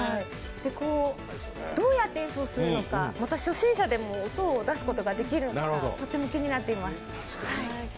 どうやって演奏するのか、また初心者でも音を出すことができるのかとても気になっています。